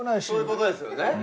そういうことですよね。